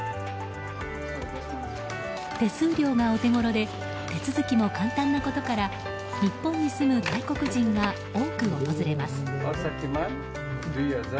手数料がお手ごろで手続きも簡単なことから日本に住む外国人が多く訪れます。